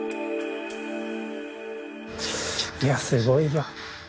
いや、すごいわ。